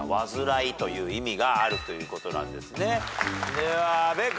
では阿部君。